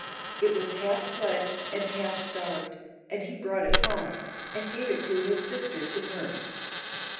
It was half fledged and half starved, and he brought it home, and gave it to his sister to nurse.